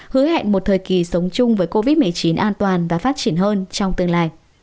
hứa hẹn một thời kỳ sống chung với covid một mươi chín an toàn và phát triển hơn trong tương lai